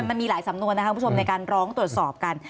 มันมีหลายสำนวนนะครับคุณผู้ชมในการร้องตรวจสอบกัน